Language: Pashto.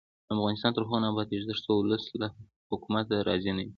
افغانستان تر هغو نه ابادیږي، ترڅو ولس له حکومته راضي نه وي.